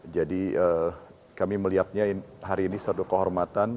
jadi kami melihatnya hari ini suatu kehormatan